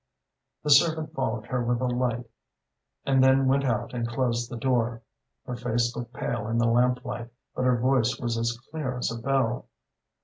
"The servant followed her with a light, and then went out and closed the door. Her face looked pale in the lamplight, but her voice was as clear as a bell.